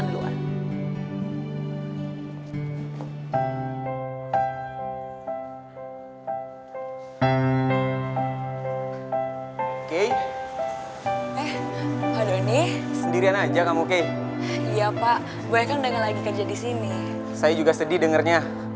jadi kalau kita udah tunangan